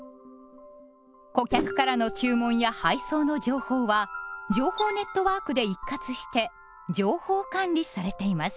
顧客からの注文や配送の情報は情報ネットワークで一括して「情報管理」されています。